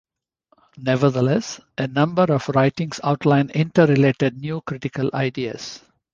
Nevertheless, a number of writings outline inter-related New Critical ideas.